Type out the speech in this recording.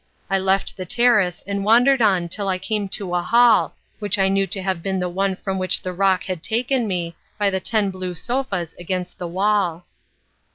I left the terrace and wandered on till I came to a hall, which I knew to have been the one from which the roc had taken me, by the ten blue sofas against the wall.